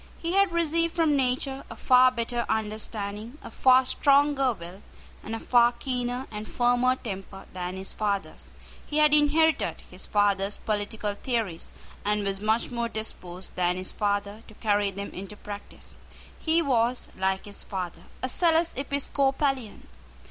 He had received from nature a far better understanding, a far stronger will, and a far keener and firmer temper than his father's. He had inherited his father's political theories, and was much more disposed than his father to carry them into practice. He was, like his father, a zealous Episcopalian.